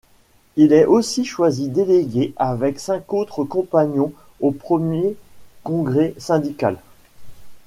Il est aussi choisi délégué avec cinq autres compagnons au premier congrès syndical.